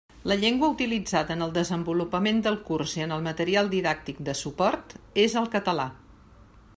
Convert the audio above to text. La llengua utilitzada en el desenvolupament del curs i en el material didàctic de suport és el català.